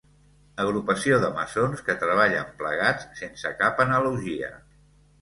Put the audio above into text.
Agrupació de maçons que treballen plegats sense cap analogia.